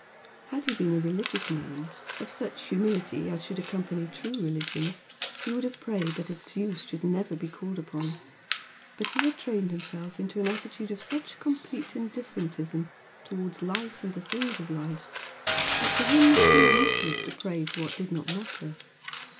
Had he been a religious man, of such humility as should accompany true religion, he would have prayed that its use should never be called upon, but he had trained himself into an attitude of such complete indifferentism towards life and the things of life, that to him it seemed useless to pray for what did not matter.